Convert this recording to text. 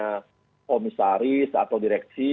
komisaris atau direksi